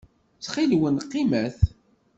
Ttxil-wen, qqimet.